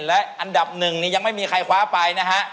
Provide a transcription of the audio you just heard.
และอันดับหนึ่งนี่ยังไม่มีใครคว้าไปนะฮะ